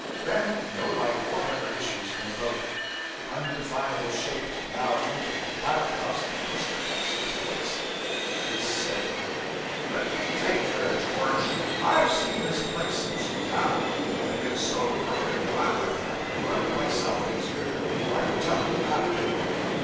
Then no light whatever issues from the boat. The undefinable shape that now entered the pilot house had Mr. X.'s voice. This said 'Let me take her, George; I've seen this place since you have, and it is so crooked that I reckon I can run it myself easier than I could tell you how to do it.'